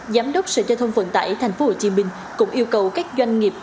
giám đốc sở giao thông vận tải tp hcm cũng yêu cầu các doanh nghiệp